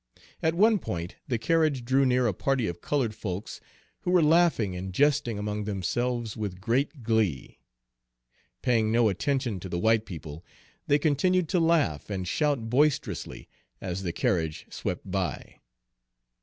At one point the carriage drew near a party of colored folks who were laughing and jesting among themselves with great glee. Paying no attention to the white people, they continued to laugh and shout boisterously as the carriage swept by.